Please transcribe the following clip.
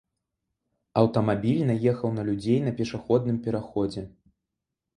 Аўтамабіль наехаў на людзей на пешаходным пераходзе.